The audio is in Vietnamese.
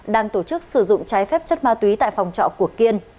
đang tổ chức sử dụng trái phép chất ma túy tại phòng trọ của kiên